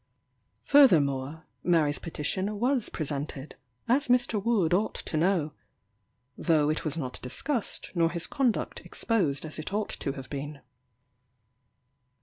Furthermore, Mary's petition was presented, as Mr. Wood ought to know; though it was not discussed, nor his conduct exposed as it ought to have been.